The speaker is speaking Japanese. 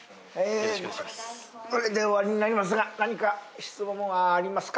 これで終わりになりますが何か質問はありますか？